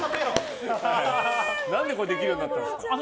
何で、これできるようになったんですか。